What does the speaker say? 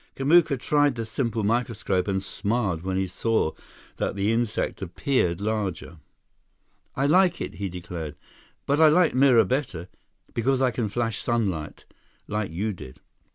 Kamuka tried the simple microscope and smiled when he saw that the insect appeared larger. "I like it," he declared, "but I like mirror better, because I can flash sunlight, like you did."